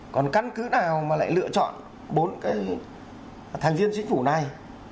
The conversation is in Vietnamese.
còn căn cứ nào mà lại lựa chọn bốn cái thành viên chính phủ này